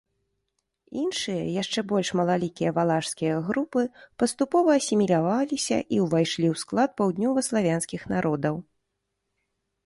Іншыя, яшчэ больш малалікія валашскія групы паступова асіміляваліся і ўвайшлі ў склад паўднёваславянскіх народаў.